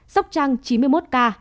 sóc trăng chín mươi một ca